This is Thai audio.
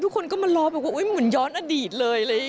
ทุกคนก็มารอมันเหมือนย้อนอดีตเลย